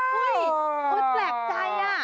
เฮ้ยคนแปลกใจอ่ะ